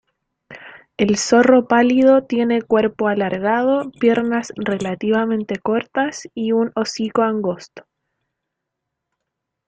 El zorro pálido tiene cuerpo alargado, piernas relativamente cortas y un hocico angosto.